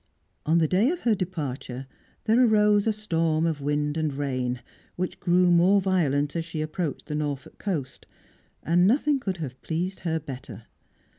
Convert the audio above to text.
On the day of her departure there arose a storm of wind and rain, which grew more violent as she approached the Norfolk coast; and nothing could have pleased her better.